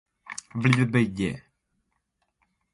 Yiite ŋe mawni no o miiliray no.